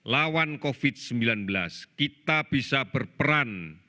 lawan covid sembilan belas kita bisa berperan